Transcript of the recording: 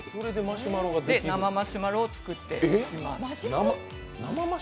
生マシュマロを作っていきます。